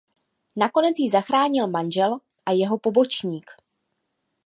Nakonec ji zachránil manžel a jeho pobočník.